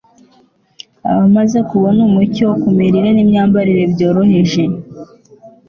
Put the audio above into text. abamaze kubona umucyo ku mirire n'imyambarire byoroheje